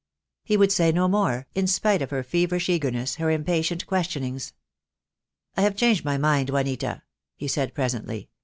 He would say no more, in spite of her feverish eager ness, her impatient questionings. "I have changed my mind, Juanita," he said presently.